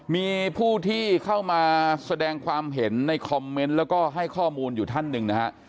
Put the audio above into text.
มีผู้ที่เข้ามาแสดงความเห็นในคอมเมนต์แล้วก็ให้ข้อมูลอยู่ท่านหนึ่งนะฮะ